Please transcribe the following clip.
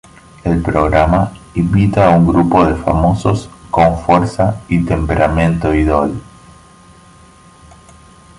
El programa invita a un grupo de famosos con fuerza y temperamento idol.